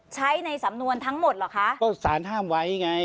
ใช้ในสำนวนทั้งหมดเหรอคะก็สารห้ามไว้ไง